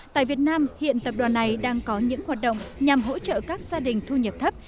tại việt nam hiện tập đoàn này đang có những hoạt động nhằm hỗ trợ các gia đình thu nhập thấp